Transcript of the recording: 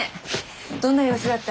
どんな様子だった？